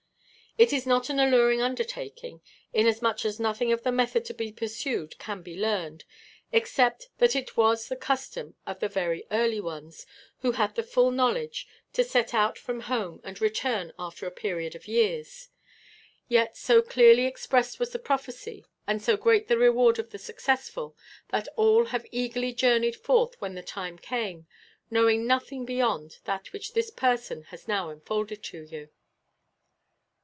It is not an alluring undertaking, inasmuch as nothing of the method to be pursued can be learned, except that it was the custom of the early ones, who held the full knowledge, to set out from home and return after a period of years. Yet so clearly expressed was the prophecy, and so great the reward of the successful, that all have eagerly journeyed forth when the time came, knowing nothing beyond that which this person has now unfolded to you."